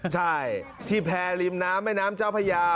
ใช่ที่แพรริมน้ำแม่น้ำเจ้าพญา